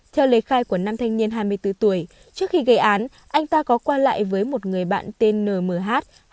theo lời khai của nam thanh niên hai mươi bốn tuổi trước khi gây án anh ta có qua lại với một người bạn tên nmh